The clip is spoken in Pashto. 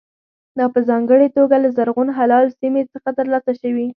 دا په ځانګړې توګه له زرغون هلال سیمې څخه ترلاسه شوي.